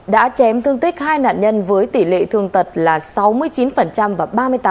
đã chém thương tích hai nạn nhân với tỷ lệ thương tật là sáu mươi chín và ba mươi tám